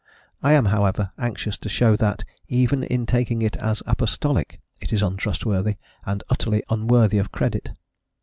I am, however, anxious to show that, even taking it as apostolic, it is untrustworthy and utterly unworthy of credit.